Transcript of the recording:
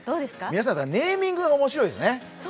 皆さん、ネーミングがおもしろいですね。